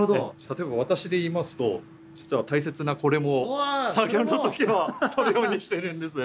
例えば私で言いますと実は大切なこれも作業の時はとるようにしてるんです。